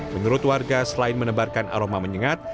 menurut warga selain menebarkan aroma menyengat